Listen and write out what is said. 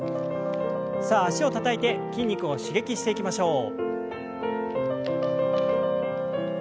さあ脚をたたいて筋肉を刺激していきましょう。